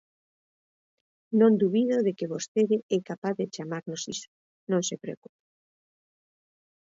Non dubido de que vostede é capaz de chamarnos iso, non se preocupe.